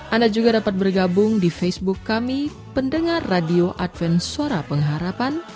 anda juga dapat bergabung di facebook kami pendengar radio adven suara pengharapan